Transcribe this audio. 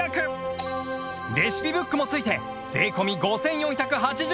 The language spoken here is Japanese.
レシピブックも付いて税込５４８０円